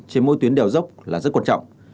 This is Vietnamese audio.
trên mỗi tuyến đèo dốc là rất quan trọng